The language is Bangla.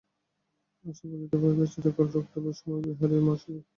আশা বুঝিতে পারিল, চিরকাল রোগতাপের সময় বিহারীই মার সেবা করিয়া আসিয়াছে।